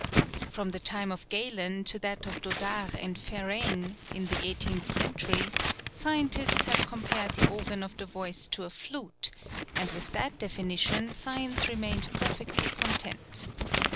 From the time of Galen to that of Dodart and Ferrein, in the eighteenth century, scientists have compared the organ of the voice to a flute ; and with that definition science remained perfect ly content.